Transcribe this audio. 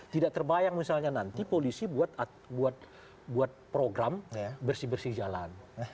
tidak terbayang misalnya nanti polisi buat program bersih bersih jalan